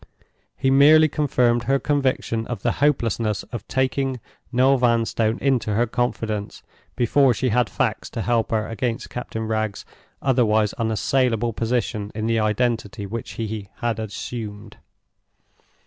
He merely confirmed her conviction of the hopelessness of taking Noel Vanstone into her confidence before she had facts to help her against Captain Wragge's otherwise unassailable position in the identity which he had assumed.